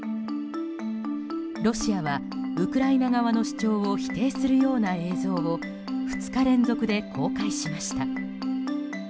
ロシアはウクライナ側の主張を否定するような映像を２日連続で公開しました。